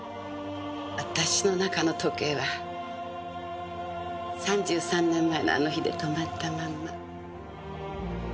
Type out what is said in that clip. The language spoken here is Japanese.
あたしの中の時計は３３年前のあの日で止まったまんま。